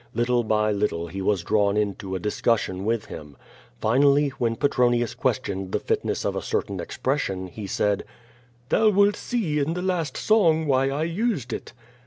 Little by little he was drawn into a discussion with him. Finally, when Petronius ques tioned the fitness of a certain expression, he said: Thou wilt see in the last song why I used it.''